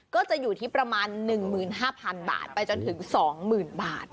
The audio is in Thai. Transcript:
ก็จะอยู่ที่ประมาณนึงหมื่นพันบาทไปจนถึงสองหมื่นบาท